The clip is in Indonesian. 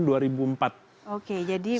oke jadi sebelumnya